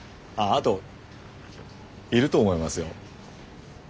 ああといると思いますよ。